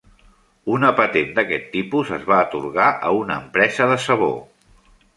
Una patent d'aquest tipus es va atorgar a una empresa de sabó.